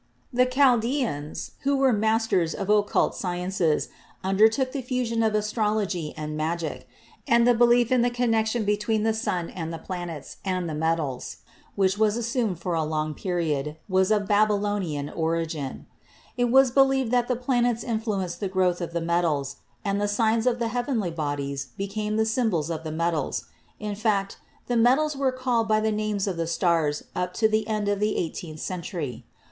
The Chaldeans, who were masters of occult sciences, undertook the fusion of astrology and magic, and the belief in the connection between the sun and planets and the metals, which was assumed for a long period, was of Baby lonian origin. It was believed that the planets influenced a growth of the metals, and the signs of the heavenly bodies became the symbols of the metals ; in fact, the metals were called by the names of the stars up to the end of the eighteenth century.